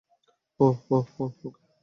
ওহ, oh, oh, ওকে।